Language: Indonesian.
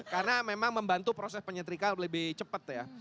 karena memang membantu proses penyetrika lebih cepat ya